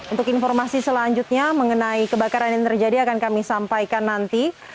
untuk informasi selanjutnya mengenai kebakaran yang terjadi akan kami sampaikan nanti